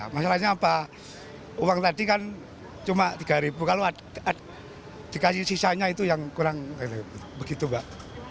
masalahnya apa uang tadi kan cuma rp tiga kalau dikasih sisanya itu yang kurang begitu mbak